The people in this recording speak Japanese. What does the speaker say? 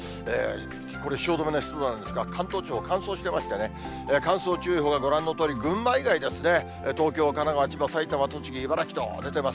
これ、汐留の湿度なんですが、関東地方、乾燥していましてね、乾燥注意報がご覧のとおり、群馬以外ですね、東京、神奈川、千葉、埼玉、栃木、茨城と出ています。